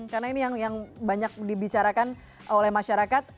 karena ini yang banyak dibicarakan oleh masyarakat